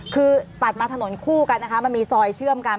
คือตัดมาถนนคู่กันนะคะมันมีซอยเชื่อมกัน